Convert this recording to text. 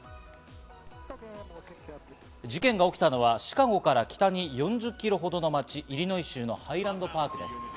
事件が起きたのはシカゴから北に４０キロほどの街、イリノイ州のハイランドパークです。